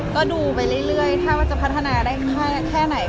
ก็ดูไปเรื่อยถ้าจะพัฒนาได้ให้อย่างแค่ไหน